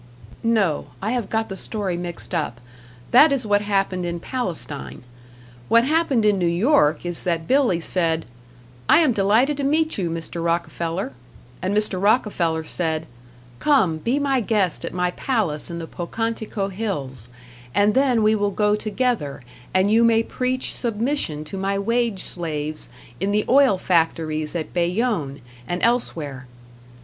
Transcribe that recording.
No, I have got the story mixed up. That is what happened in Palestine. What happened in New York is that Billy said, "I am delighted to meet you, Mr. Rockefeller." And Mr. Rockefeller said, "Come be my guest at my palace in the Pocantico Hills; and then we will go together and you may preach submission to my wage slaves in the oil factories at Bayonne and elsewhere."